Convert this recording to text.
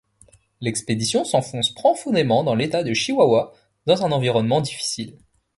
L'expédition s'enfonce profondément dans l'État de Chihuahua dans un environnement difficile.